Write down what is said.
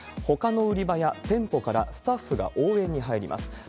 ほかの売り場や店舗からスタッフが応援に入ります。